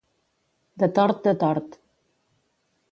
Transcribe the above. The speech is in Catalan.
De tort de tort.